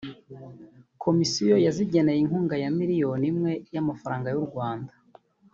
Komisiyo yazigeneye inkunga ya miliyoni imwe y’amafaranga y’u Rwanda